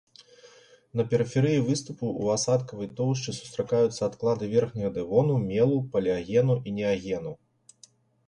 На перыферыі выступу ў асадкавай тоўшчы сустракаюцца адклады верхняга дэвону, мелу, палеагену і неагену.